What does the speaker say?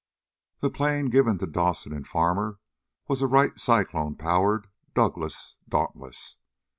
The plane given to Dawson and Farmer was a Wright "Cyclone" powered Douglas "Dauntless."